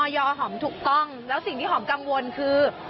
ยอมหอมถูกต้องแล้วสิ่งที่หอมกังวลคือ